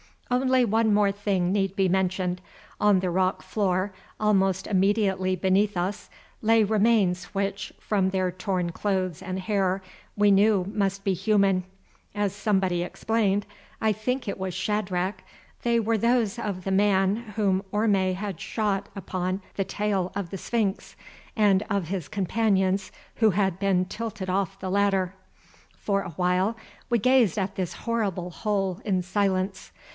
Only one more thing need be mentioned. On the rock floor almost immediately beneath us lay remains which, from their torn clothes and hair, we knew must be human. As somebody explained, I think it was Shadrach, they were those of the man whom Orme had shot upon the tail of the sphinx, and of his companions who had been tilted off the ladder. For awhile we gazed at this horrible hole in silence.